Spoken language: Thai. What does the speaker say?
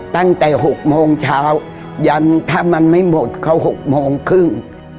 ตั้งแต่๖โมงเช้ายันถ้ามันไม่หมดเขา๖โมงครึ่ง